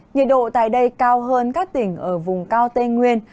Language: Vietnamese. nhiệt độ tại đây cao hơn các tỉnh ở vùng cao tây nguyên